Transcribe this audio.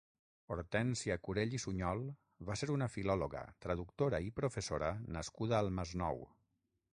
Hortènsia Curell i Sunyol va ser una filòloga, traductora i professora nascuda al Masnou.